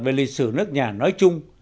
về lịch sử nước nhà nói chung